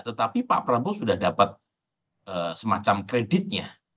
tetapi pak prabowo sudah dapat semacam kreditnya